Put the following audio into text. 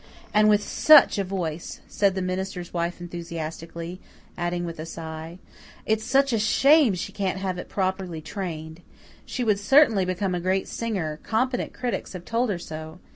"And with SUCH a voice," said the minister's wife enthusiastically, adding with a sigh, "It's such a shame she can't have it properly trained. She would certainly become a great singer competent critics have told her so.